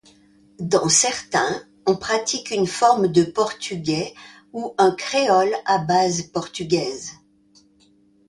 Dans certains, on pratique une forme de portugais ou un créole à base portugaise.